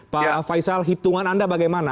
pak faisal hitungan anda bagaimana